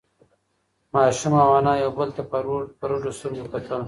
ماشوم او انا یو بل ته په رډو سترگو کتل.